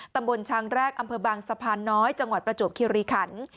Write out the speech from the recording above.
ตำบลช้างแรกอำเภอบางสะพานน้อยจังหวัดประจวบคิริขัน